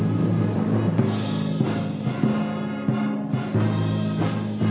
menerima permasalah aja